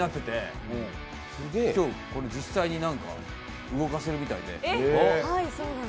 実際に動かせるみたいで。